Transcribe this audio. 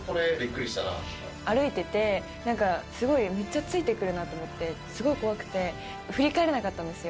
歩いてて、すごいめっちゃついてくるなと思って、すごい怖くて、振り返れなかったんですよ。